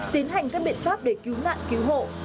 tiến hành các biện pháp để cứu nạn cứu hộ